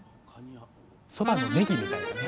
そばのねぎみたいなね。